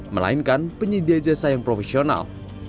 melainkan penyedia jasa yang profesional